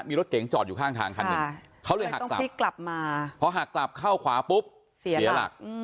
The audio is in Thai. มีรถเก๋งจอดอยู่ข้างทางคันหนึ่งเขาเลยหักกลับพลิกกลับมาพอหักกลับเข้าขวาปุ๊บเสียหลัก